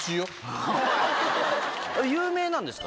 有名なんですか？